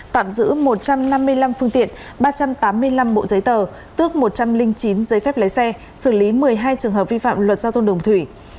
tạm giữ một trăm năm mươi năm phương tiện ba trăm tám mươi năm bộ giấy tờ xử lý một mươi hai trường hợp vi phạm luật giao thông đồng thủy